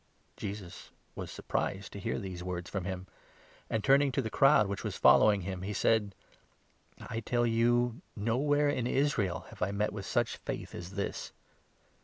Jesus was surprised to hear these words from him ; and, turn 9 ing to the crowd which was following him, he said :" I tell you, nowhere in Israel have I met with such faith as this